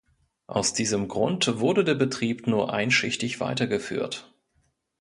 Aus diesem Grund wurde der Betrieb nur einschichtig weiter geführt.